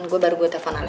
kau mau kemana